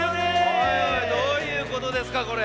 おいおいどういうことですかこれ？